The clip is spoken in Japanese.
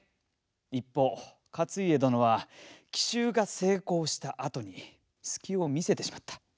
一方勝家殿は奇襲が成功したあとに隙を見せてしまった。